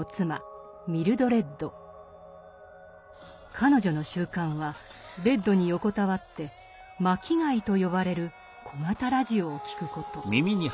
彼女の習慣はベッドに横たわって「巻貝」と呼ばれる小型ラジオを聴くこと。